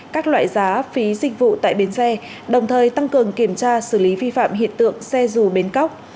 các loại giá phí dịch vụ tại bến xe đồng thời tăng cường kiểm tra xử lý vi phạm hiện tượng xe dù bến cóc